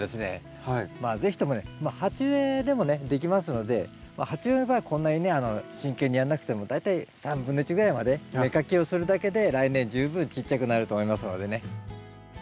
是非ともね鉢植えでもねできますので鉢植えの場合はこんなにね真剣にやんなくても大体1/3ぐらいまで芽かきをするだけで来年十分ちっちゃくなると思いますのでね。